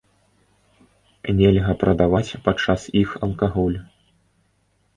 Нельга прадаваць падчас іх алкаголь.